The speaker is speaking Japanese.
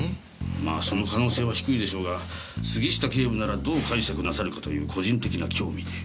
まあその可能性は低いでしょうが杉下警部ならどう解釈なさるかという個人的な興味で。